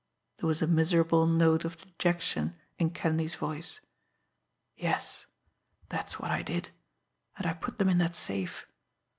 There was a miserable note of dejection in Kenleigh's voice. "Yes; that's what I did. And I put them in that safe.